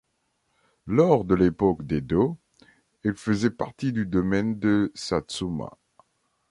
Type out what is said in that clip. Lors de l'époque d'Edo, elle faisait partie du domaine de Satsuma.